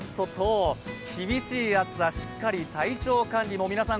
厳しい暑さ、しっかり体調管理も皆さん